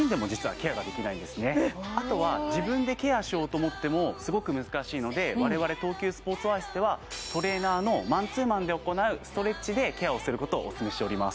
あとは自分でケアしようと思ってもすごく難しいので我々東急スポーツオアシスではトレーナーのマンツーマンで行うストレッチでケアをすることをおすすめしております